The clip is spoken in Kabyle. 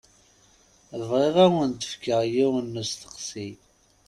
Bɣiɣ ad awen-d-fkeɣ yiwen n usteqsi.